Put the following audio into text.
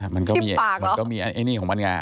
มันก็มีมันก็มีไอ้นี่ของมันไง